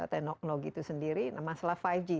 teknologi itu sendiri masalah lima g